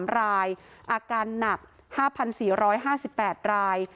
๓รายอาการหนัก๕๔๕๘ราย